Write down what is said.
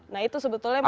nah itu sebetulnya modus